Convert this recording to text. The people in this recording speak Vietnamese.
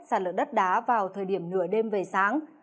xả lửa đất đá vào thời điểm nửa đêm về sáng